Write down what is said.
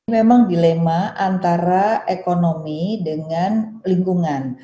memang dilema antara ekonomi dengan lingkungan